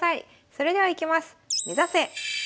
それではいきます。